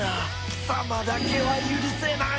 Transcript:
貴様だけは許せない！